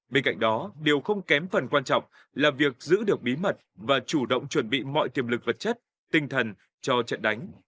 bên cạnh đó điều không kém phần quan trọng là việc giữ được bí mật và chủ động chuẩn bị mọi tiềm lực vật chất tinh thần cho trận đánh